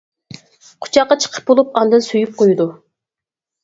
قۇچاققا چىقىپ بولۇپ ئاندىن سۆيۈپ قويدۇ.